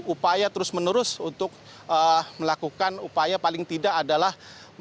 upaya terus menerus untuk melakukan upaya paling tidak adalah